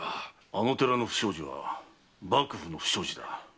あの寺の不祥事は幕府の不祥事だ。